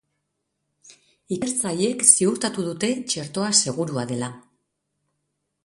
Ikertzaileek ziurtatu dute txertoa segurua dela.